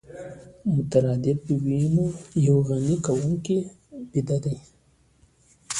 مترادف ويونه يوه غني کوونکې پدیده